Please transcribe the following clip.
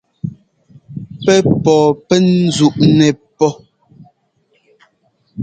Pɛ́ pɔɔ pɛn ńzúꞌnɛ́ pɔ́.